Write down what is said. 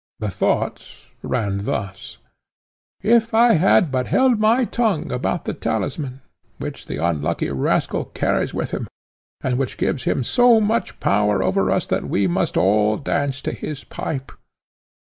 The thoughts ran thus: "If I had but held my tongue about the talisman which the unlucky rascal carries within him, and which gives him so much power over us that we must all dance to his pipe!